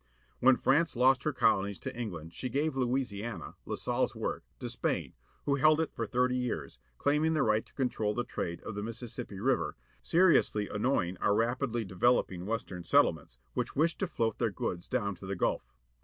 When France lost her colonies to England, she gave Louisiana â La Salle's work â to Spain, who held it for thirty years, claiming the right to control the trade of the Mississippi River, seriously annoying our rapidly developing western settlements, which wished to float their goods down to the Gulf.